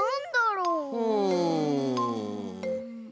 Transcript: うん。